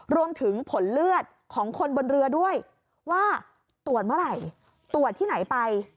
รวมถึงผลเลือดของคนบนเรือด้วยว่าตรวจเมื่อไหร่ตรวจที่ไหนไป